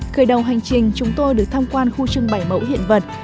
khởi đầu hành trình chúng tôi được tham quan khu trưng bảy mẫu hiện vật